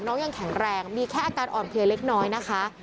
ยังแข็งแรงมีแค่อาการอ่อนเพลียเล็กน้อยนะคะ